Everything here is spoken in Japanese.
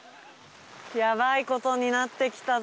やばい事になってきたぞ。